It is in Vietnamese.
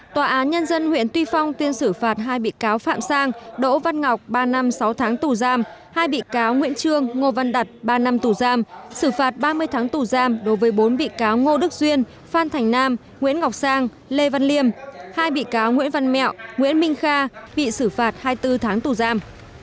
tòa án nhân dân huyện tuy phong tuyên xử phạt hai bị cáo phạm sang đỗ văn ngọc ba năm sáu tháng tù giam hai bị cáo nguyễn trương ngô văn đạt ba năm tù giam xử phạt ba mươi tháng tù giam đối với bốn bị cáo ngô đức duyên phan thành nam nguyễn ngọc sang lê văn liêm hai bị cáo nguyễn văn mẹo nguyễn minh kha bị xử phạt hai mươi bốn tháng tù giam